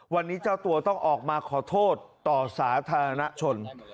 วันนี้เจ้าตัวต้องออกมาขอโทษต่อสาธารณชน